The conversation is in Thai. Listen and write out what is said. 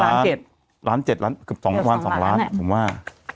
ล้านเจ็ดล้านเจ็ดล้านเกือบสองวันสองล้านผมว่า